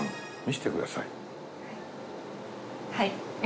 はい。